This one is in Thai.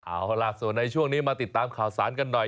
เอาล่ะส่วนในช่วงนี้มาติดตามข่าวสารกันหน่อย